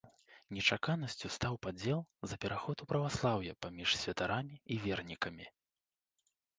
Нечаканасцю стаў падзел за пераход у праваслаўе паміж святарамі і вернікамі.